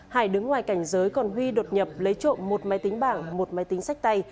hải đứng ngoài cảnh giới còn huy đột nhập lấy trộm một máy tính bảng một máy tính sách tay